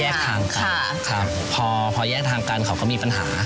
แยกทางกันพอแยกทางกันเขาก็มีปัญหา